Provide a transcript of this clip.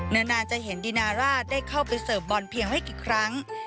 นานจะเห็นดินาราชได้เข้าไปเสิร์ฟบอลเพียงไม่กี่ครั้ง